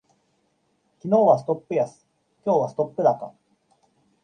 昨日はストップ安、今日はストップ高